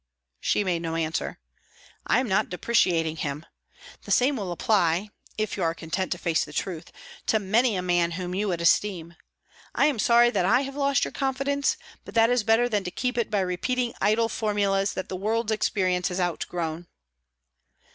She made no answer. "I am not depreciating him. The same will apply (if you are content to face the truth) to many a man whom you would esteem. I am sorry that I have lost your confidence, but that is better than to keep it by repeating idle formulas that the world's experience has outgrown."